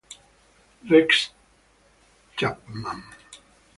Rex Chapman